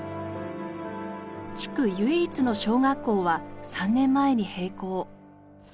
地区唯一の小学校は３年前に閉校。